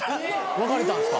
別れたんですか？